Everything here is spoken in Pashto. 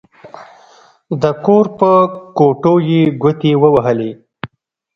د کور په کوټو يې ګوتې ووهلې.